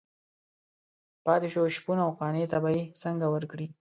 پاتې شو شپون او قانع ته به یې څنګه ورکړي.